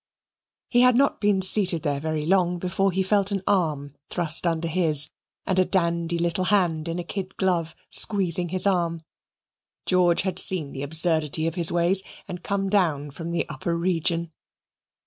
He had not been seated there very long before he felt an arm thrust under his and a dandy little hand in a kid glove squeezing his arm. George had seen the absurdity of his ways and come down from the upper region.